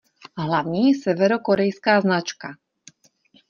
Hlavní severokorejská značka.